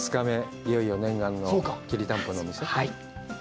いよいよ念願のきりたんぽのお店？